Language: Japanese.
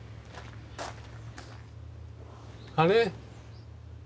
あれ？